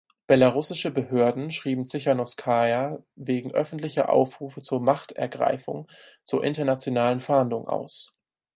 Belarussische Behörden schrieben Zichanouskaja wegen öffentlicher Aufrufe zur Machtergreifung zur internationalen Fahndung aus.